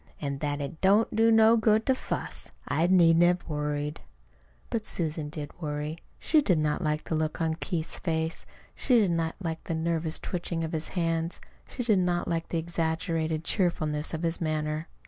An' that it don't do no good to fuss. I needn't have worried." But Susan did worry. She did not like the look on Keith's face. She did not like the nervous twitching of his hands. She did not like the exaggerated cheerfulness of his manner.